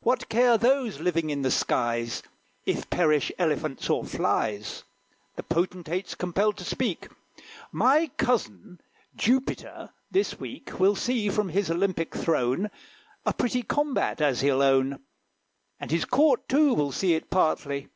What care those living in the skies If perish Elephants or flies? The potentate's compelled to speak: "My cousin, Jupiter, this week Will see, from his Olympic throne, A pretty combat, as he'll own; And his Court, too, will see it partly."